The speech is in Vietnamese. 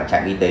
trạng y tế